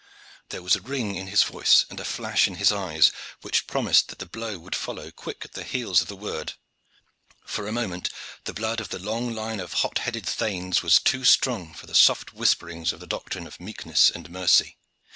There was a ring in his voice and a flash in his eyes which promised that the blow would follow quick at the heels of the word. For a moment the blood of the long line of hot headed thanes was too strong for the soft whisperings of the doctrine of meekness and mercy.